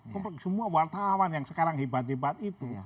semua wartawan yang sekarang hebat hebat itu